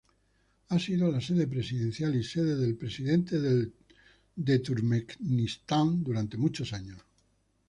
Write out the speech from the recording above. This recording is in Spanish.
Ha sido la sede presidencial y sede del presidente de Turkmenistán durante muchos años.